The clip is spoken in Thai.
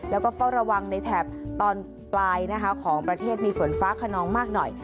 แล้วก็เฝ้าระวังในแถบตอนปลายนะคะของประเทศมีฝนฟ้าขนองมากหน่อย